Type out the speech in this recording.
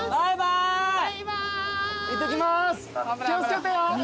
気を付けてよ。